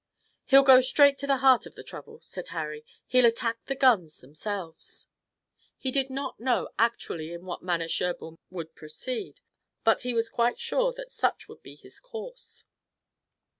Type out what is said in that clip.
"He'll go straight to the heart of the trouble," said Harry. "He'll attack the guns themselves." He did not know actually in what manner Sherburne would proceed, but he was quite sure that such would be his course.